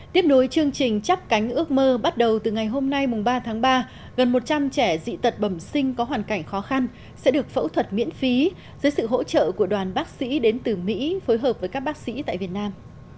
tiếp nối chương trình chắp cánh ước mơ bắt đầu từ ngày hôm nay ba tháng ba gần một trăm linh trẻ dị tật bẩm sinh có hoàn cảnh khó khăn sẽ được phẫu thuật miễn phí dưới sự hỗ trợ của đoàn bác sĩ đến từ mỹ phối hợp với các bác sĩ tại việt nam